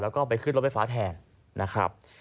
แล้วก็ไปขึ้นรถไฟฟ้าแทนนะครับ